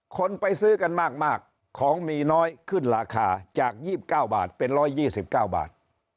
คนไปซื้อกันมากของมีน้อยขึ้นราคาจาก๒๙บาทเป็น๑๒๙บาท